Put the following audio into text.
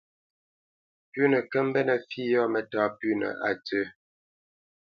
Pʉ̌nə kə́ mbénə̄ fǐ yɔ̂ mətá pʉ́nə a ntsə̂.